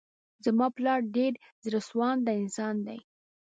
زما پلار ډير زړه سوانده انسان دی.